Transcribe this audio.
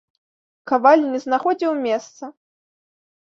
Каваль не знаходзіў месца.